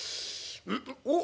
「おっ？